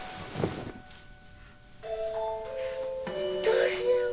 どうしよう。